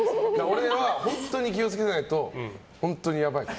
俺は、本当に気を付けてないと本当にやばい。